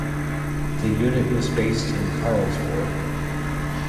The unit was based in Karlsborg.